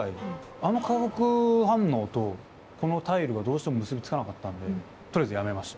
あの化学反応とこのタイルがどうしても結び付かなかったんでとりあえずやめました。